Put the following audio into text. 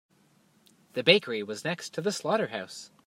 The bakery was next to the slaughterhouse.